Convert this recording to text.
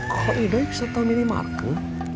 kok tidak bisa tahu minimarket